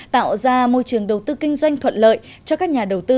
tạo ra môi trường đầu tư kinh doanh thuận lợi cho các nhà đầu tư và doanh nghiệp